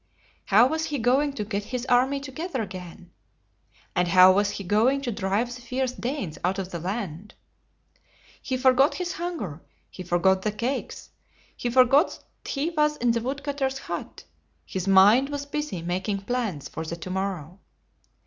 How was he going to get his army to geth er again? And how was he going to drive the fierce Danes out of the land? He forgot his hunger; he forgot the cakes; he forgot that he was in the woodcutter's hut. His mind was busy making plans for to mor row.